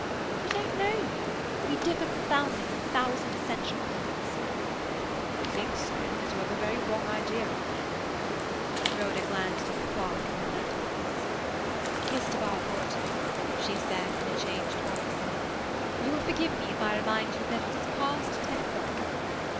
"You don't know me. We differ profoundly on a thousand essential points." "You think so because you have a very wrong idea of me." Rhoda glanced at the clock on the mantelpiece. "Mr. Barfoot," she said in a changed voice, "you will forgive me if I remind you that it is past ten o'clock."